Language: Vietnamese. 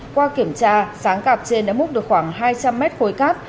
qua kiểm tra sáng cạp trên đã múc được khoảng hai trăm linh mét khối cát